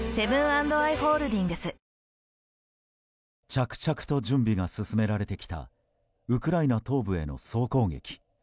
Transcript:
着々と準備が進められてきたウクライナ東部への総攻撃。